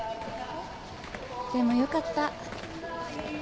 でもよかった。